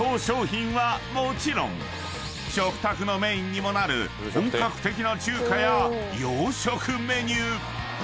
商品はもちろん食卓のメインにもなる本格的な中華や洋食メニュー］